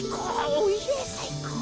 おいえさいこう。